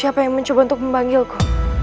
siapa yang mencoba untuk memanggilku